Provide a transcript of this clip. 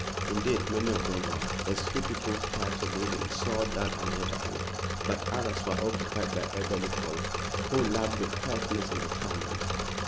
Indeed, many of them were, as few people cared to live in so dull a neighborhood; but others were occupied by elderly folk, who loved the quietness and retirement.